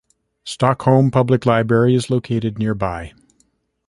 Stockholm Public Library is located nearby.